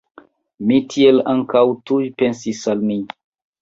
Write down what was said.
Mi tiel ankaŭ tuj pensis al mi!